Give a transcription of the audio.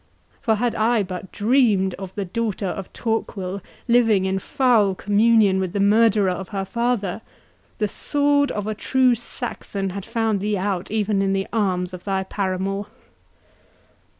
For had I but dreamed of the daughter of Torquil living in foul communion with the murderer of her father, the sword of a true Saxon had found thee out even in the arms of thy paramour!"